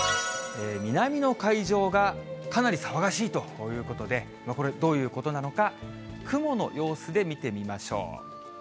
南の海上がかなり騒がしいということで、これ、どういうことなのか、雲の様子で見てみましょう。